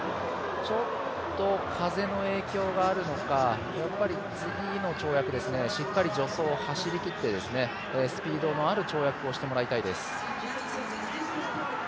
ちょっと風の影響があるのか次の跳躍、しっかり助走を走りきってスピードのある跳躍をしてもらいたいです。